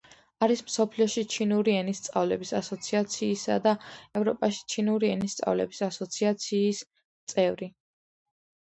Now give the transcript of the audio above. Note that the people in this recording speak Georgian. არის მსოფლიოში ჩინური ენის სწავლების ასოციაციისა და ევროპაში ჩინური ენის სწავლების ასოციაციის წევრი.